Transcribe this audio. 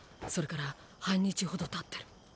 それから半日ほど経ってる。